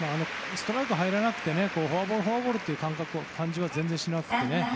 ストライクが入らなくてフォアボールフォアボールという感じは全くしなくて。